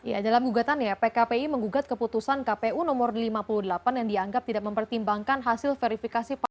ya dalam gugatan ya pkpi menggugat keputusan kpu nomor lima puluh delapan yang dianggap tidak mempertimbangkan hasil verifikasi